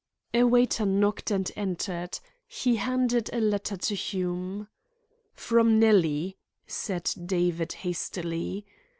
A waiter knocked and entered. He handed a letter to Hume. "From Nellie," said David hastily.